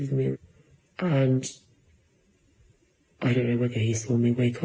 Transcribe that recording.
เธอเล่าต่อนะครับ